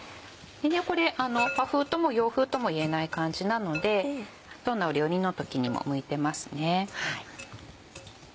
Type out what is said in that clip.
これ和風とも洋風ともいえない感じなのでどんな料理の時にも向いてますね。